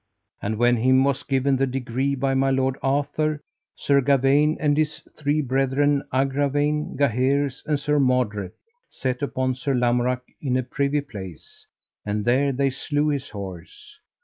And when him was given the degree by my lord Arthur, Sir Gawaine and his three brethren, Agravaine, Gaheris, and Sir Mordred, set upon Sir Lamorak in a privy place, and there they slew his horse.